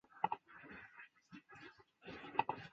全罗道在当时已发展成水稻生产中心。